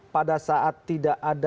pada saat tidak ada